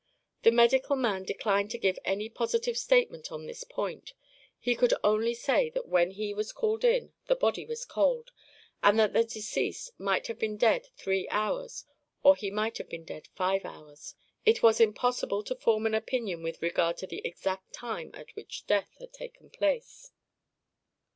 The medical man declined to give any positive statement on this point; he could only say that when he was called in, the body was cold, and that the deceased might have been dead three hours—or he might have been dead five hours. It was impossible to form an opinion with regard to the exact time at which death had taken place.